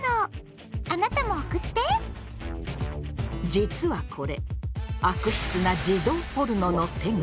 実はこれ悪質な「児童ポルノ」の手口！